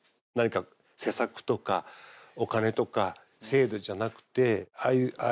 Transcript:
何か施策とかお金とか制度じゃなくてああいう